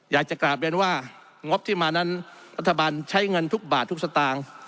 อยากจะกลับเรียนว่างบที่มานั้นรัฐบาลใช้เงินทุกบาททุกสตางค์